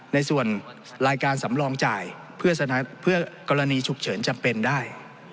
ในส่วนรายการสำรองจ่ายเพื่อกรณีฉุกเฉินจำเป็นได้